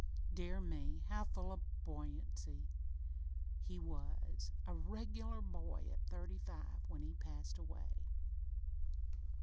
Dear me, how full o' b'oyancy he was a regular boy at thirty five, when he passed away!"